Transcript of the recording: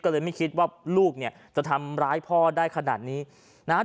ก็เลยไม่คิดว่าลูกเนี่ยจะทำร้ายพ่อได้ขนาดนี้นะฮะ